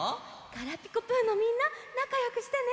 「ガラピコぷ」のみんななかよくしてね。